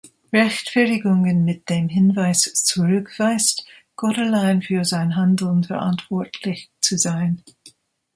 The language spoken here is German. Rechtfertigungen mit dem Hinweis zurückweist, Gott allein für sein Handeln verantwortlich zu sein.